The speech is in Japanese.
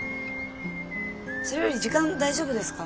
それより時間大丈夫ですか？